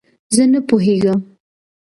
زه نه پوهېږم